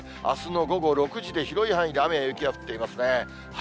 あすの午後６時で、広い範囲で雨や雪が降っていますね。